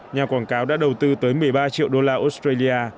nhà quảng cáo đã đầu tư tới một mươi ba triệu đô la australia